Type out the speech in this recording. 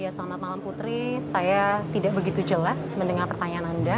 selamat malam putri saya tidak begitu jelas mendengar pertanyaan anda